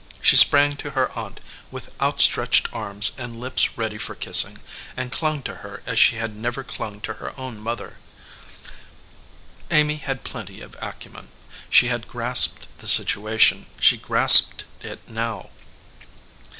She sprang to her aunt with out stretched arms and lips ready for kissing, and clung to her as she had never clung to her o\vn mother. Amy had plenty of acumen. She had grasped the situation. She grasped it now.